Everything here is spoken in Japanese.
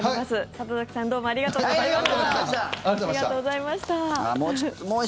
里崎さんどうもありがとうございました。